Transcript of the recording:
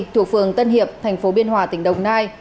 thuộc phường tân hiệp thành phố biên hòa tỉnh đồng nai